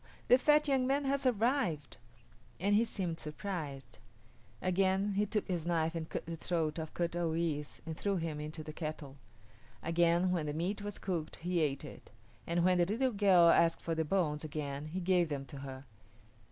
the fat young man has survived!" and he seemed surprised. Again he took his knife and cut the throat of Kut o yis´ and threw him into the kettle. Again when the meat was cooked he ate it, and when the little girl asked for the bones again he gave them to her.